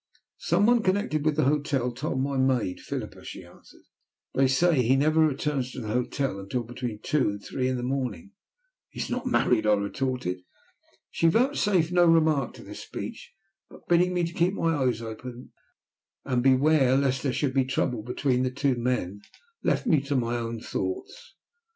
"Some one connected with the hotel told my maid, Phillipa," she answered. "They say he never returns to the hotel until between two and three in the morning." "He is not married," I retorted. She vouchsafed no remark to this speech, but, bidding me keep my eyes open, and beware lest there should be trouble between the two men, left me to my own thoughts.